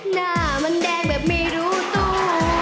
หน้ามันแดงแบบไม่รู้ตัว